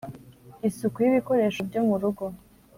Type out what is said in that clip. -isuku y’ibikoresho byo mu rugo,